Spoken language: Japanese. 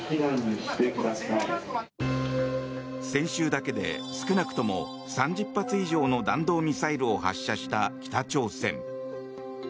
先週だけで少なくとも３０発以上の弾道ミサイルを発射した北朝鮮。